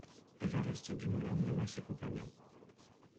Évariste Dumoulin nomma ses compagnons.